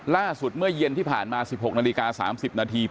เมื่อเย็นที่ผ่านมา๑๖นาฬิกา๓๐นาที